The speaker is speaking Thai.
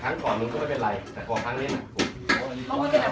ครั้งก่อนนึงก็ไม่เป็นไรแต่ก่อนครั้งเนี้ยน่ะมันควรเป็นแหละ